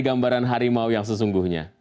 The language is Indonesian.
gambaran harimau yang sesungguhnya